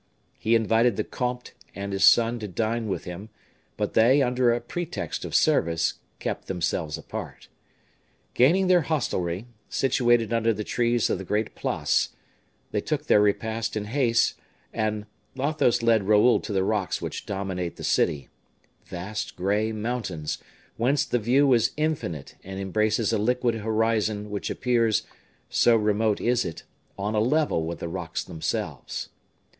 He invited the comte had his son to dine with him; but they, under a pretext of service, kept themselves apart. Gaining their hostelry, situated under the trees of the great Place, they took their repast in haste, and Athos led Raoul to the rocks which dominate the city, vast gray mountains, whence the view is infinite and embraces a liquid horizon which appears, so remote is it, on a level with the rocks themselves.